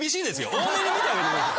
大目に見てあげてください。